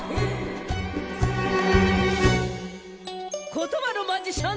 ことばのマジシャン